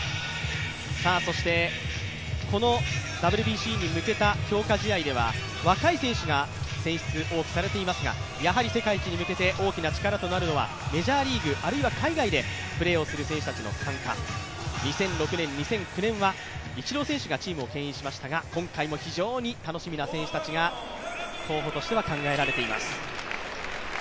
このＷＢＣに向けた強化試合では、若い選手が選出、多くされていますが、やはり世界一に向けて大きな力となるのはメジャーリーグ、あるいは海外でプレーをする人たちの参加、２００６年、２００９年はイチロー選手がチームをけん引しましたが、今回も非常に楽しみな選手たちが候補としては考えられています。